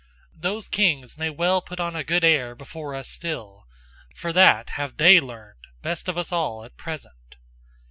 Those kings may well put on a good air before us still: for that have THEY learned best of us all at present!